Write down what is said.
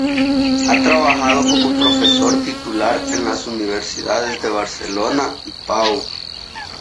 Ha trabajado como profesor titular en las universidades de Barcelona y Pau.